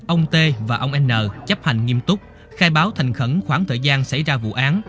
ông t và ông n chấp hành nghiêm túc khai báo thành khẩn khoảng thời gian xảy ra vụ án